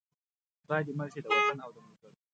خدای دې مل شي د وطن او د ملګرو.